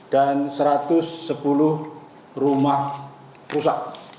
dan satu ratus sepuluh rumah rusak